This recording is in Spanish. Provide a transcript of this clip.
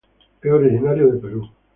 Es originario de Perú.